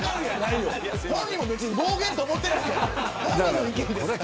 本人も別に暴言と思ってないから。